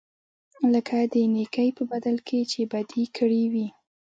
لکه د نېکۍ په بدل کې چې بدي کړې وي.